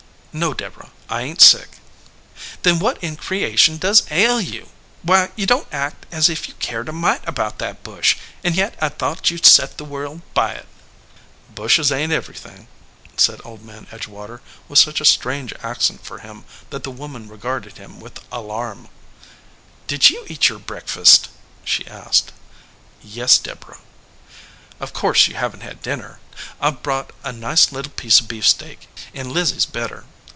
"No, Deborah, I ain t sick." "Then what in creation does ail you? Why, you don t act as if you cared a mite about that bush, and yet I d thought you set the world by it." "Bushes ain t everything," said Old Man Edge 120 THE FLOWERING BUSH water, with such a strange accent for him that the woman regarded him with alarm. "Did you eat your breakfast?" she asked. "Yes, Deborah." "Of course you haven t had dinner. I ve brought a nice little piece of beefsteak ; and Lizzie s better.